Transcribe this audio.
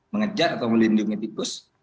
mengejar atau melindungi tikus